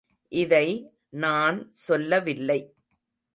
இதை நான் சொல்லவில்லை.